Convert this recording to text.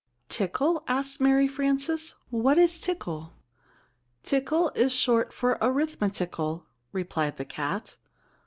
"Tickle?" asked Mary Frances. "What is tickle?" "Tickle is short for arithmetickle," replied the cat.